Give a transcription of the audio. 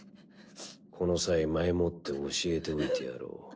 この際前もって教えておいてやろう。